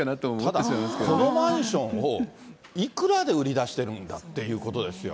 ただ、このマンションをいくらで売り出してるんだっていうことですよ。